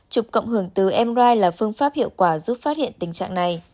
chụp cộng hưởng từ mri là phương pháp hiệu quả giúp phát hiện tình trạng này